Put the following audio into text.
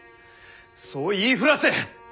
そう言い触らせ！